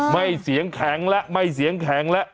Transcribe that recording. ไม่เสียงแข็งแล้วไม่เสียงแข็งแล้ว